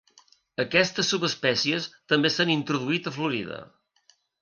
Aquestes subespècies també s'han introduït a Florida.